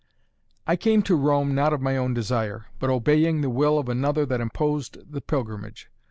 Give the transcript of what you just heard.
"I came to Rome not of my own desire, but obeying the will of another that imposed the pilgrimage.